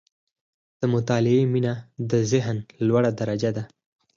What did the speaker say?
• د مطالعې مینه، د ذهن لوړه درجه ده.